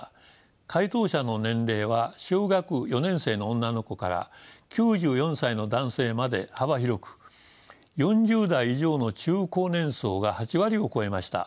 回答者の年齢は小学４年生の女の子から９４歳の男性まで幅広く４０代以上の中高年層が８割を超えました。